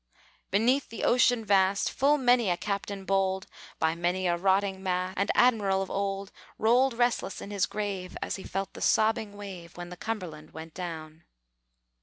Beneath the ocean vast, Full many a captain bold, By many a rotting mast, And admiral of old, Rolled restless in his grave As he felt the sobbing wave, When the Cumberland went down.